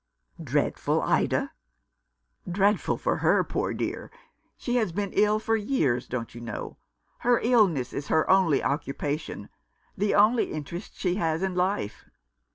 "Dreadful, Ida!" " Dreadful for her, poor dear. She has been ill for years, don't you know. Her illness is her only occupation, the only interest she has in life.